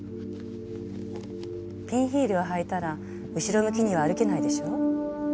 ピンヒールを履いたら後ろ向きには歩けないでしょう？